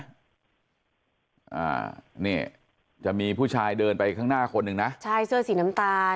อ่านี่จะมีผู้ชายเดินไปข้างหน้าคนหนึ่งนะใช่เสื้อสีน้ำตาล